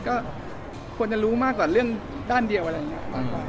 ก็ควรจะรู้มากกว่าเรื่องด้านเดียวอะไรอย่างนี้มากกว่า